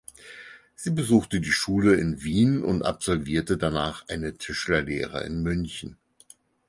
Sie besuchte die Schule in Wien und absolvierte danach eine Tischlerlehre in München.